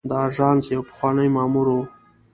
د آژانس یو پخوانی مامور و.